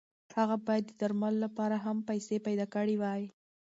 هغه باید د درملو لپاره هم پیسې پیدا کړې وای.